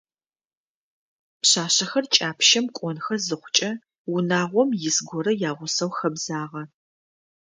Пшъашъэхэр кӏапщэм кӏонхэ зыхъукӏэ, унагъом ис горэ ягъусэу хэбзагъэ.